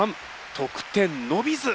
得点伸びず！